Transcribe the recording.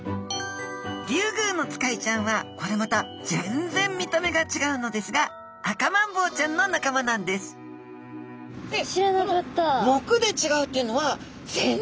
リュウグウノツカイちゃんはこれまた全然見た目が違うのですがアカマンボウちゃんの仲間なんです知らなかった。